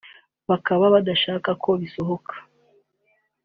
bakaba badashaka ko bisohoka